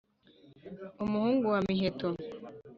umuhungu wa miheto,